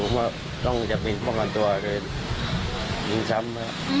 ผมก็ต้องจะไปป้องกันตัวโดยยิงซ้ำ